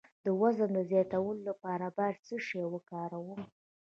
د وزن د زیاتولو لپاره باید څه شی وکاروم؟